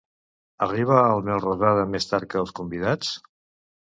Arriba en Melrosada més tard que els convidats?